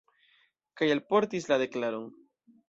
Kaj alportis la deklaron.